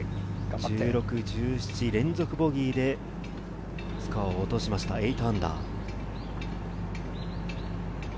１６、１７、連続ボギーで、スコアを落としました、−８。